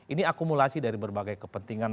ini akumulasi dari berbagai kepentingan